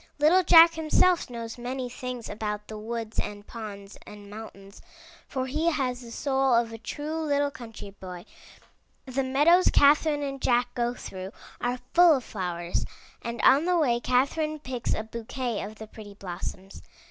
Little Jack himself knows many things about the woods and ponds and mountains, for he has the soul of a true little country boy. The meadows Catherine and Jack go through are full of flowers, and on the way Catherine picks a bouquet of the pretty blossoms.